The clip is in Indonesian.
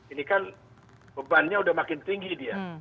ini kan bebannya udah makin tinggi dia